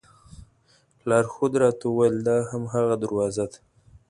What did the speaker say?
لارښود راته وویل دا هماغه دروازه ده.